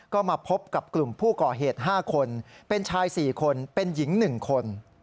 ก็มาพบกับกลุ่มผู้ก่อเหตุ๕คนเป็นชาย๔คนเป็นหญิง๑คน